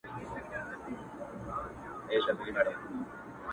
o چي نه دي وي د موره، هغه ته مه وايه چي وروره!